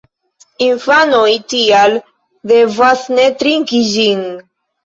Infanoj tial devas ne trinki ĝin.